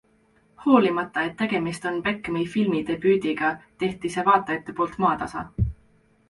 Hoolimata, et tegemist on Bechami filmidebüüdiga, tehti see vaatajate poolt maatasa.